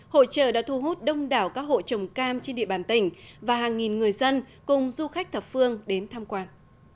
hội trợ đã thu hút đông đảo các hộ trồng cam trên địa bàn tỉnh và hàng nghìn người dân cùng du khách thập phương đến tham quan